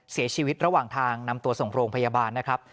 เสียชีวิตระหว่างทางนำตัวส่งโรงพยาบาลนะครับ